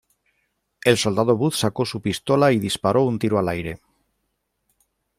El soldado Wood sacó su pistola y disparó un tiro al aire.